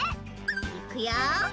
いくよ。